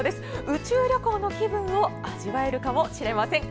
宇宙旅行の気分を味わえるかもしれません。